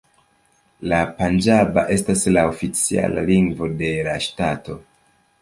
La panĝaba estas la oficiala lingvo de la ŝtato.